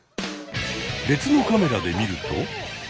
別のカメラで見ると。